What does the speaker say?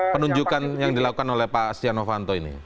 penunjukan yang dilakukan oleh pak stiano vanto ini